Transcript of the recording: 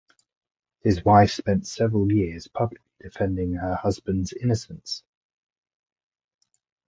His wife spent several years publicly defending her husband's innocence.